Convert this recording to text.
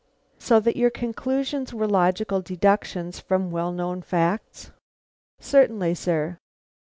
"So that your conclusions are logical deductions from well known facts?" "Certainly, sir."